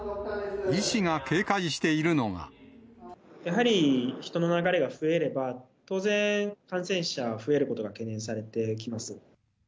やはり人の流れが増えれば、当然、感染者、増えることが懸念されてきます。